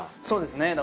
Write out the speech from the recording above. そうですね。